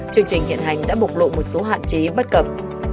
chương trình hiện hành đã bộc lộ một số hạn chế bất cập